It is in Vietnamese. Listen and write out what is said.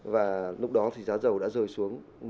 và lúc đó thì giá dầu đã rơi xuống